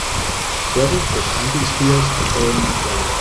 Several crosscountry skiers following a trail.